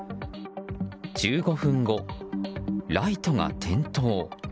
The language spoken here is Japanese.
１５分後、ライトが点灯。